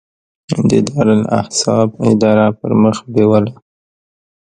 د دارالاحساب اداره پرمخ بیوله.